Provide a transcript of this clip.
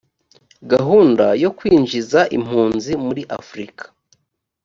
gahunda yo kwinjiza impunzi muri afurika